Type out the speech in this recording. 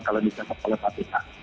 kalau dikatakan oleh petika